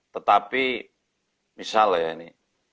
tetapi misalnya ini